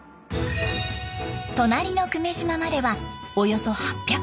隣の久米島まではおよそ８００メートル。